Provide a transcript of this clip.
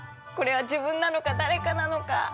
これは自分なのか誰かなのか。